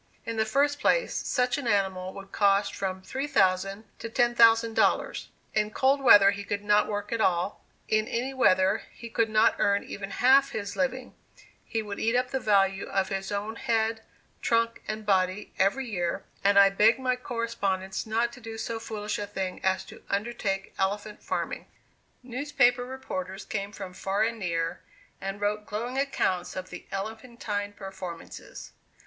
In the first place, such an animal would cost from $3,000 to $10,000; in cold weather he could not work at all; in any weather he could not earn even half his living; he would eat up the value of his own head, trunk, and body every year; and I begged my correspondents not to do so foolish a thing as to undertake elephant farming. Newspaper reporters came from far and near, and wrote glowing accounts of the elephantine performances.